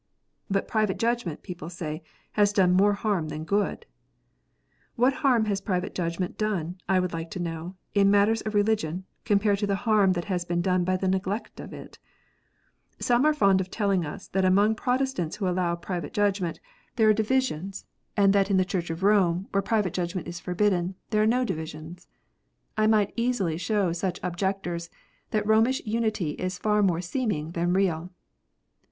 But private judgment, people say, lias done more harm titan good ! What harm has private judgment done, I would like to know, in matters of religion, compared to the harm that has been done by the neglect of it 1 Some are fond of telling us that among Protestants who allow private judgment, there are 52 KNOTS UNTIED. divisions, and that in the Church of Eomc, where private judgment is forbidden, there are no divisions. I might easily show such objectors that Romish unity is far more seeming than real.